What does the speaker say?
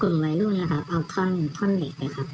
กลุ่มวัยรุ่นนะครับเอาท่อนเหล็กนะครับ